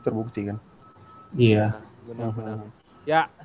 sebenernya orang orang kaya aldo not only dibutuhin kb sih